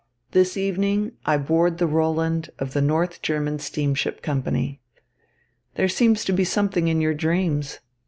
This evening I board the Roland of the North German Steamship Company. There seems to be something in your dreams.